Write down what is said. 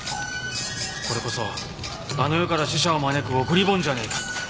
これこそあの世から死者を招く送り盆じゃねえか。